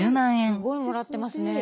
すごいもらってますね。